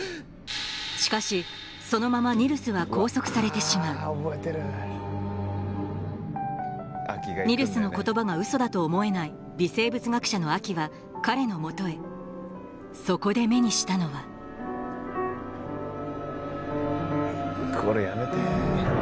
しかしそのままニルスは拘束されてしまうニルスの言葉がウソだと思えない微生物学者のアキは彼の元へそこで目にしたのはこれやめて。